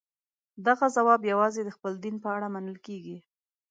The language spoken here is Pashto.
دغه ځواب یوازې د خپل دین په اړه منل کېږي.